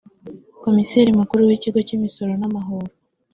Komiseri Mukuru w’Ikigo cy’Imisoro n’Amahoro